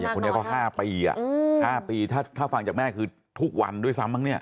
คนนี้ก็๕ปี๕ปีถ้าฟังจากแม่คือทุกวันด้วยซ้ำมั้งเนี่ย